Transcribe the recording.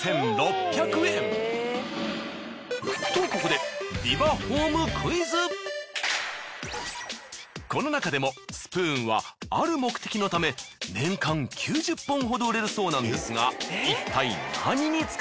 とここでこの中でもスプーンはある目的のため年間９０本ほど売れるそうなんですが。